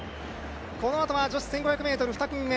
このあとは女子１５００ｍ２組目